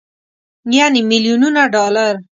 يعنې ميليونونه ډالر.